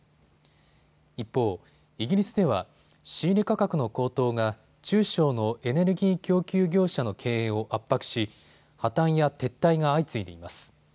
一方、イギリスでは仕入れ価格の高騰が中小のエネルギー供給業者の経営を圧迫し破綻や撤退が相次いでいます。